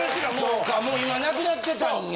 そうかもう今なくなってたんや。